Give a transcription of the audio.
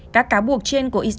các cáo buộc trên của israel